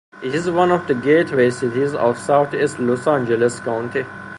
It is one of the Gateway Cities of southeast Los Angeles County.